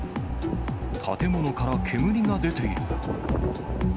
建物から煙が出ている。